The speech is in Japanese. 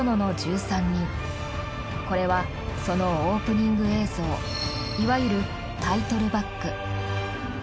これはそのオープニング映像いわゆるタイトルバック。